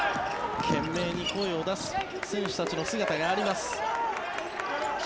懸命に声を出す選手たちの姿があります。